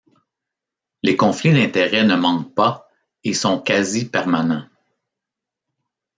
Les conflits d’intérêts ne manquent pas et sont quasi permanents.